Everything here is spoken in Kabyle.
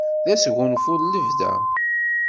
D asgunfu n lebda.